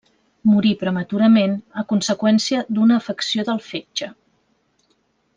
Morí prematurament a conseqüència d'una afecció del fetge.